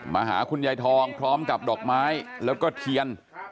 หาคุณยายทองพร้อมกับดอกไม้แล้วก็เทียน